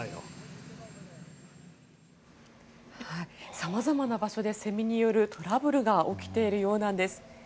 様々な場所でセミによるトラブルが起きているようなんです。